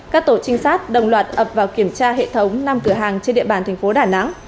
các tổ trinh sát đồng loạt ập vào kiểm tra hệ thống năm cửa hàng trên địa bàn thành phố đà nẵng